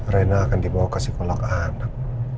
rena akan dibawa ke sekolah anak